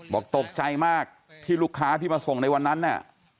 บอกตกใจมากที่ลูกค้าที่มาส่งในวันนั้นน่ะ